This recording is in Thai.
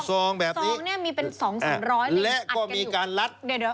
มีทรงแบบนี้แล่วก็มีการลัด